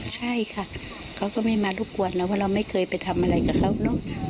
ใช่ค่ะเขาก็ไม่มารบกวนแล้วเพราะเราไม่เคยไปทำอะไรกับเขาเนอะ